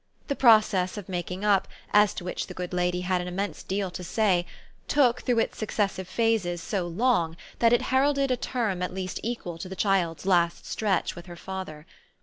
The process of making up, as to which the good lady had an immense deal to say, took, through its successive phases, so long that it heralded a term at least equal to the child's last stretch with her father.